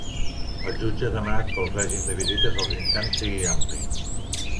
El jutge ha demanat que el règim de visites als interns sigui ampli